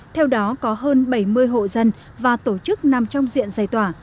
theo đó có hơn bảy mươi hộ dân và tổ chức nằm trong diện giải tỏa